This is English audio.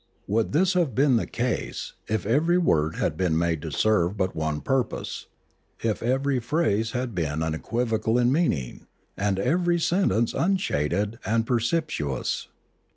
Would this have been the case, if every word had been made to serve but one purpose, if every phrase had been unequivocal in meaning, and every sentence unshaded and perspicuous